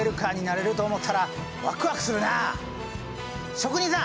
職人さん！